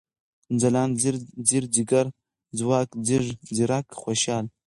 ځلاند ، ځير ، ځيگر ، ځواک ، ځيږ ، ځيرک ، خوشال